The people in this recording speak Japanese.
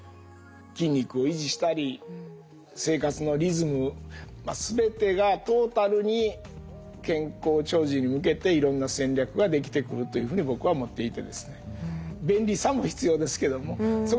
筋肉を維持したり生活のリズム全てがトータルに健康長寿に向けていろんな戦略ができてくるというふうに僕は思っていてですね。